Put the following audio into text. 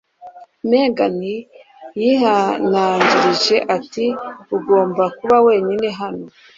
Megan yihanangirije ati: "Ugomba kuba wenyine hano."